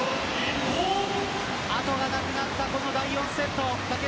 後がなくなったこの第４セット。